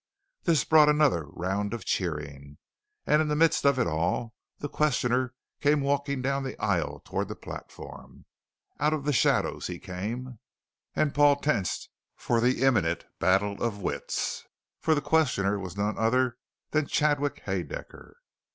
This brought another round of cheering. And in the midst of it all, the questioner came walking down the aisle toward the platform. Out of the shadows he came, and Paul tensed for the imminent battle of wits, for the questioner was none other than Chadwick Haedaecker.